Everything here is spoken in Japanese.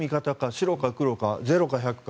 白か黒か、ゼロか１００か。